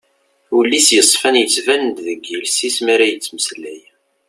Ul-is yesfan yettban-d deg yiles-is mi ara yettmeslay.